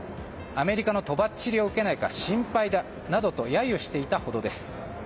アメリカのとばっちりを受けないか心配だなどと揶揄していたほどです。